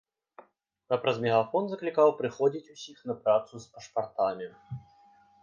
А праз мегафон заклікаў прыходзіць усіх на працу з пашпартамі.